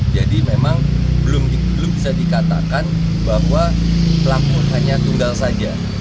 jadi memang belum bisa dikatakan bahwa pelaku hanya tunggal saja